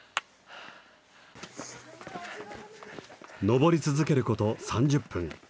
上り続けること３０分。